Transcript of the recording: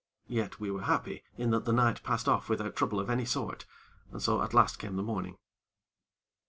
Yet, we were happy in that the night passed off without trouble of any sort, and so at last came the morning.